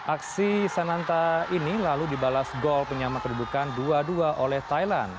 aksi sananta ini lalu dibalas gol penyama kedudukan dua dua oleh thailand